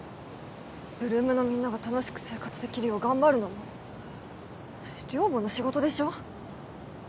８ＬＯＯＭのみんなが楽しく生活できるよう頑張るのも寮母の仕事でしょ